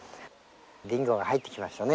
ディンゴが入ってきましたね。